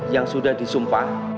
yang sudah disumpah